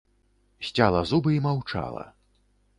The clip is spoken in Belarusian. Сцяла зубы і маўчала.